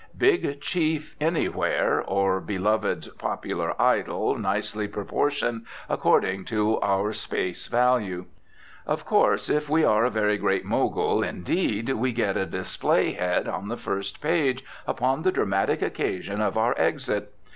Big Chief anywhere, or beloved popular idol, nicely proportioned according to our space value. Of course, if we are a very great Mogul indeed we get a display head on the first page upon the dramatic occasion of our exit.